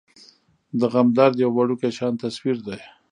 د غم درد يو وړوکے شان تصوير دے ۔